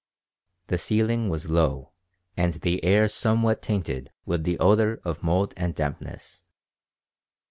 The ceiling was low and the air somewhat tainted with the odor of mold and dampness.